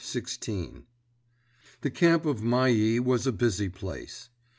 XVI The camp of Mailly was a busy place.